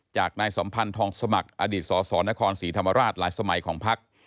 จากนายสัมพันธ์ทองสมัครอดีตสสนครศรีธรรมราชหลายสมัยของพัก